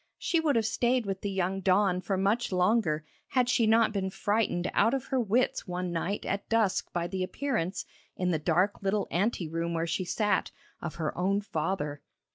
She would have stayed with the young don for much longer, had she not been frightened out of her wits one night at dusk by the appearance, in the dark little ante room where she sat, of her own father.